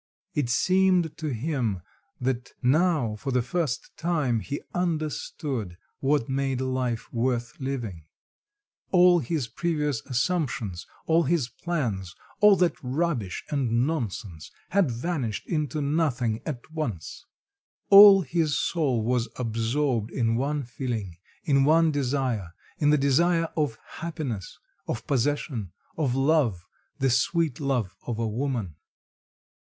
It seemed to him that now for the first time he understood what made life worth living; all his previous assumptions, all his plans, all that rubbish and nonsense had vanished into nothing at once; all his soul was absorbed in one feeling, in one desire in the desire of happiness, of possession, of love, the sweet love of a woman.